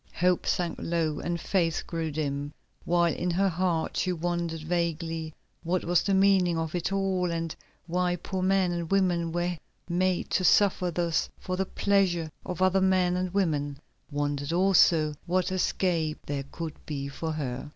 Hope sank low and faith grew dim, while in her heart she wondered vaguely what was the meaning of it all, and why poor men and women were made to suffer thus for the pleasure of other men and women; wondered also what escape there could be for her.